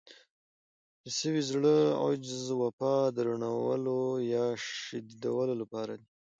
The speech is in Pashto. د سوي زړه، عجز، وفا د رڼولو يا شديدولو لپاره دي.